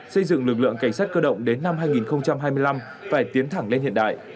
xây dựng lực lượng cảnh sát cơ động đến năm hai nghìn hai mươi năm phải tiến thẳng lên hiện đại